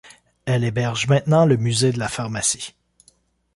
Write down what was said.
Elle héberge maintenant le Musée de la pharmacie.